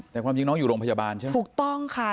แต่ความจริงน้องอยู่โรงพยาบาลใช่ไหมถูกต้องค่ะ